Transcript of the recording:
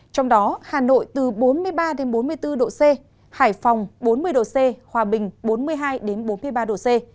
trong đó hà nội từ bốn mươi ba bốn mươi bốn độ c hải phòng bốn mươi độ c hòa bình bốn mươi hai bốn mươi ba độ c